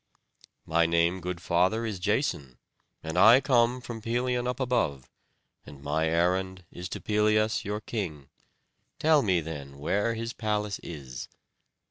"My name, good father, is Jason, and I come from Pelion up above; and my errand is to Pelias your king; tell me then where his palace is."